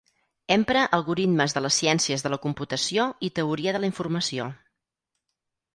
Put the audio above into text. Empra algoritmes de les ciències de la computació i teoria de la informació.